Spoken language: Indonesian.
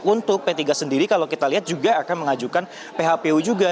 untuk p tiga sendiri kalau kita lihat juga akan mengajukan phpu juga